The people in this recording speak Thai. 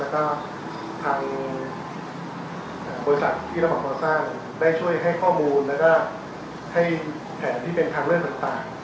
แล้วก็ทางโบราชอาคมที่เราผ่านเพราะสร้างได้ช่วยให้ข้อมูลและก็ให้แผนที่เป็นทางเลือกต่างนะครับ